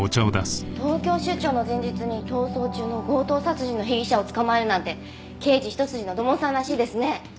東京出張の前日に逃走中の強盗殺人の被疑者を捕まえるなんて刑事一筋の土門さんらしいですね。